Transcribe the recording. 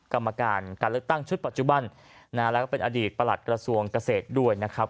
กรรมการการเลือกตั้งชุดปัจจุบันแล้วก็เป็นอดีตประหลัดกระทรวงเกษตรด้วยนะครับ